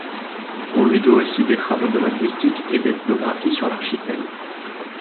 On lui doit aussi des travaux de linguistique et d'ethnographie sur l'archipel.